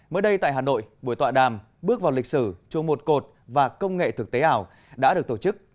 mới đây tại hà nội buổi tọa đàm bước vào lịch sử chùa một cột và công nghệ thực tế ảo đã được tổ chức